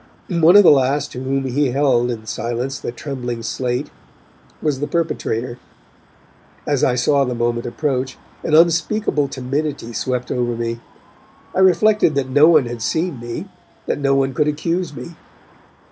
One of the last to whom he held, in silence, the trembling slate was the perpetrator. As I saw the moment approach, an unspeakable timidity swept over me. I reflected that no one had seen me, that no one could accuse me.